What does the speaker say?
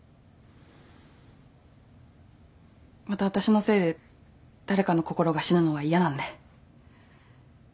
また私のせいで誰かの心が死ぬのは嫌なんで。